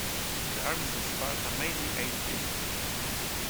The armies of Sparta mainly ate this.